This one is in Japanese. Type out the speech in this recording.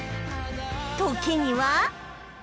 時には